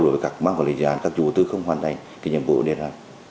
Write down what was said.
đối với các bác quản lý dự án các chủ tư không hoàn thành cái nhiệm vụ này